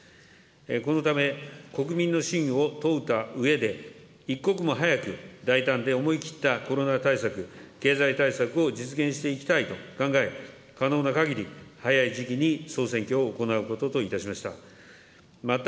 このため、国民の信を問うたうえで、一刻も早く、大胆で思い切ったコロナ対策、経済対策を実現していきたいと考え、可能なかぎり早い時期に総選挙を行うことといたしました。